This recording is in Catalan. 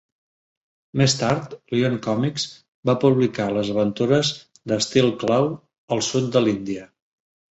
Més tard, Lion Comics va publicar les aventures de Steel Claw al sud de l'Índia.